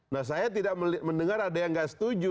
nah saya tidak mendengar ada yang nggak setuju